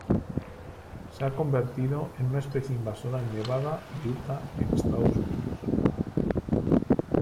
Se ha convertido en una especie invasora en Nevada y Utah en Estados Unidos.